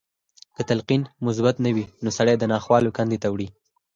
که تلقين مثبت نه وي نو سړی د ناخوالو کندې ته وړي.